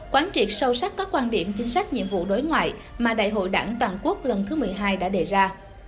quán triệt sâu sắc các quan điểm chính sách nhiệm vụ đối ngoại mà đại hội đảng toàn quốc lần thứ một mươi hai đã đề ra